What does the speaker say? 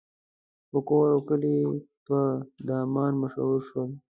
په کور او کلي پر دامان مشهور شول.